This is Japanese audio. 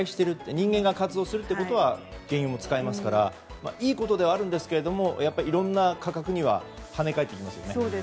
人間が活動するということは原油を使いますからいいことではありますがやっぱり、いろんな価格に跳ね返ってきますね。